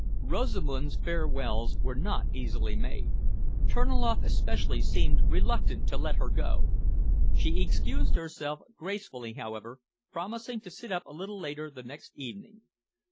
Rosamund's farewells were not easily made; Terniloff especially seemed reluctant to let her go. She excused herself gracefully, however, promising to sit up a little later the next evening.